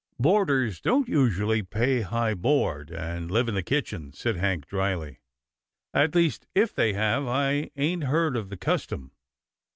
" Boarders don't usually pay high board, and live in the kitchen," said Hank drily, " at least if they have, I ain't heard of the custom."